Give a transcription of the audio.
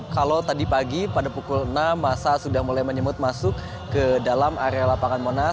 kalau tadi pagi pada pukul enam masa sudah mulai menyemut masuk ke dalam area lapangan monas